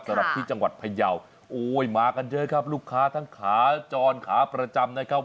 สำหรับที่จังหวัดพยาวโอ้ยมากันเยอะครับลูกค้าทั้งขาจรขาประจำนะครับ